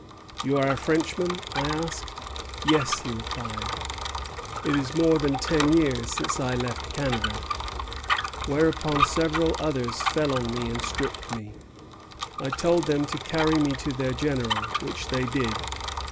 'You are a Frenchman?' I asked. 'Yes,' he replied; 'it is more than ten years since I left Canada;' whereupon several others fell on me and stripped me. I told them to carry me to their general, which they did.